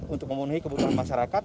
untuk memenuhi kebutuhan masyarakat